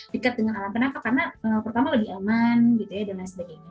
dekat dengan alam kenapa karena pertama lebih aman gitu ya dan lain sebagainya